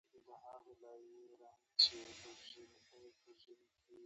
ټوکې او یو څه حقیقت پکې رانغښتی دی.